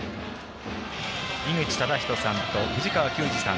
井口資仁さんと藤川球児さん。